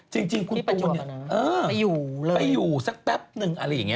จริงคุณเป็นคนไปอยู่สักแป๊บนึงอะไรอย่างนี้